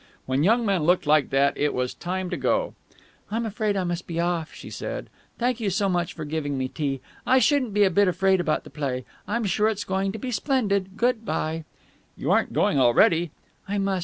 When young men looked like that, it was time to go. "I'm afraid I must be off," she said. "Thank you so much for giving me tea. I shouldn't be a bit afraid about the play. I'm sure it's going to be splendid. Good bye." "You aren't going already?" "I must.